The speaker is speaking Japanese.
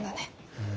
うん。